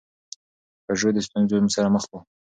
پژو د ستونزو سره مخ و.